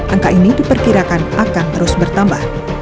angka ini diperkirakan akan terus bertambah